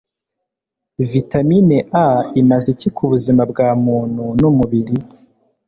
Vitamine A imaze icyi ku buzima bwa muntu n'umubiri